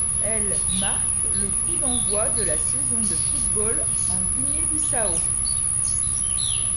Elle marque le coup d’envoi de la saison de football en Guinée-Bissau.